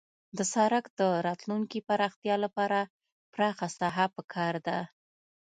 د سرک د راتلونکي پراختیا لپاره پراخه ساحه پکار ده